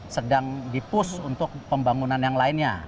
atau keuangan pemerintah sedang dipus untuk pembangunan yang lainnya